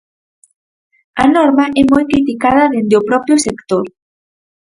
A norma é moi criticada dende o propio sector.